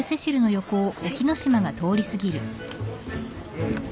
うん。